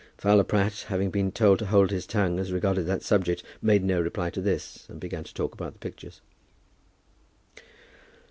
Fowler Pratt, having been told to hold his tongue as regarded that subject, made no reply to this, and began to talk about the pictures.